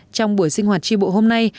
trong buổi sinh hoạt tri bộ hôm nay